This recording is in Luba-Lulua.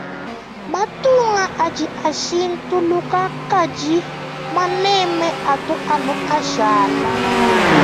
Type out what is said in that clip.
Matunga adi ashintuluka kadi manema atu anu ashala.